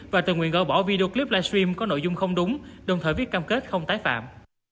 và tự nguyện gỡ bỏ video clip livestream có nội dung không đúng đồng thời viết cam kết không tái phạm